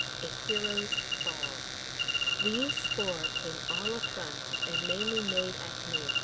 A HERO'S FALL "These four came all afront and mainly made at me.